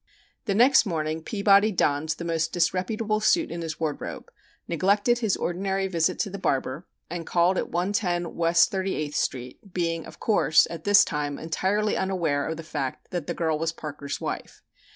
The next morning Peabody donned the most disreputable suit in his wardrobe, neglected his ordinary visit to the barber, and called at 110 West Thirty eighth Street, being, of course, at this time entirely unaware of the fact that the girl was Parker's wife.